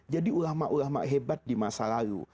jadi ulama ulama hebat di masa lalu